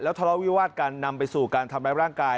แล้วทะเลาวิวาสกันนำไปสู่การทำรับร่างกาย